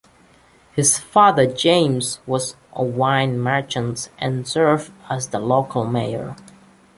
His father James was a wine merchant and served as the local mayor.